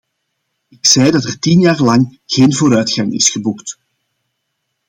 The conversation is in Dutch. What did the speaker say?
Ik zei dat er tien jaar lang geen vooruitgang is geboekt.